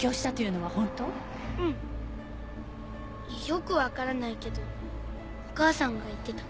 よくわからないけどお母さんが言ってた。